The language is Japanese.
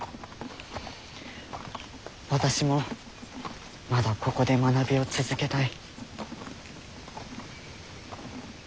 私もまだここで学びを続けたい。